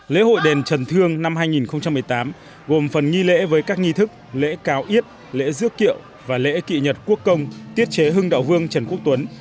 lễ hội đền trần thương năm hai nghìn một mươi tám gồm phần nghi lễ với các nghi thức lễ cáo yết lễ dước kiệu và lễ kỵ nhật quốc công tiết chế hưng đạo vương trần quốc tuấn